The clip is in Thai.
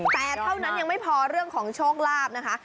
แต่เท่านั้นยังไม่พอเรื่องของโชคลาภนะคะ